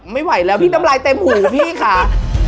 ไม่ไหวแล้วพี่น้ำลายเต็มหูพี่ค่ะ